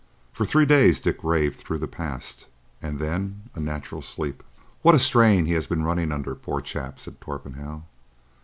For three days Dick raved through the past, and then a natural sleep. "What a strain he has been running under, poor chap!" said Torpenhow.